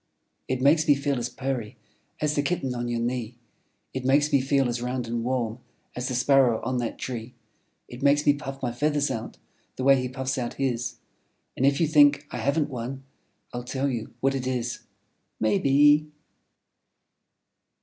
It makes me feel as purry As the Kitten on your knee. It makes me feel as round and warm As the Sparrow on that tree; It makes me puff my feathers out The way he puffs out his. And if you think I haven't one, I'll tell you what it Is, Maybe!